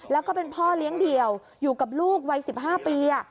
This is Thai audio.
แล้วก็เป็นพ่อเลี้ยงเดี่ยวอยู่กับลูกวัย๑๕ปี